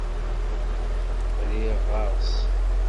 Rriɣ ɣer-s.